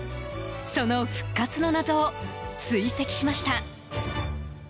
その復活の謎を追跡しました。